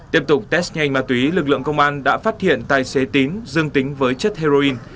tiếp tục test nhanh ma túy lực lượng công an đã phát hiện tài xế tín dương tính với chất heroin